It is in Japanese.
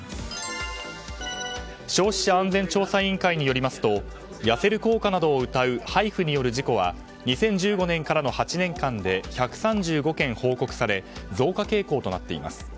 消費者安全調査委員会によりますと痩せる効果などをうたうＨＩＦＵによる事故は２０１５年からの８年間で１３５件報告され増加傾向となっています。